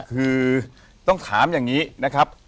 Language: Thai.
คือต้องถามอย่างนี้นะครับ